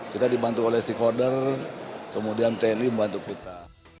kita dibantu oleh stakeholder kemudian tni membantu kita